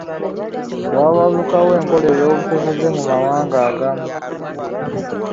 Waabalukawo enkola ey’obusosoze mu mawanga agamu.